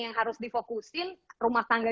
yang harus difokusin rumah tangga